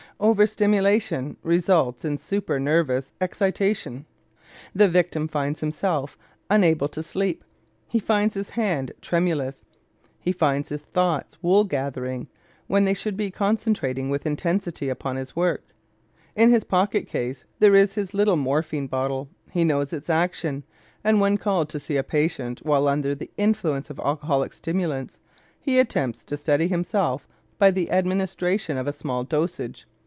Over stimulation results in super nervous excitation. The victim finds himself unable to sleep, he finds his hand tremulous, he finds his thoughts wool gathering when they should be concentrating with intensity upon his work. In his pocket case there is his little morphine bottle; he knows its action, and when called to see a patient while under the influence of alcoholic stimulants he attempts to steady himself by the administration of a small dosage.